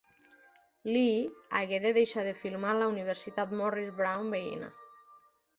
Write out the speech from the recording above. Lee hagué de deixar de filmar a la Universitat Morris Brown veïna.